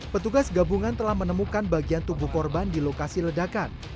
petugas gabungan telah menemukan bagian tubuh korban di lokasi ledakan